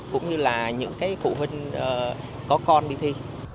cũng như là những phụ huynh có con đi thi